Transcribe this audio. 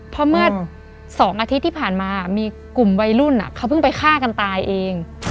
เพราะเมื่อ๒อาทิตย์ที่ผ่านมามีกลุ่มวัยรุ่นเขาเพิ่งไปฆ่ากันตายเอง